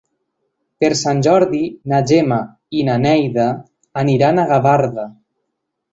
Per Sant Jordi na Gemma i na Neida aniran a Gavarda.